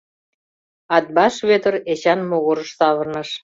Атбаш Вӧдыр Эчан могырыш савырныш.